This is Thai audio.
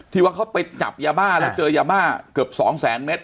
ว่าเขาไปจับยาบ้าแล้วเจอยาบ้าเกือบสองแสนเมตร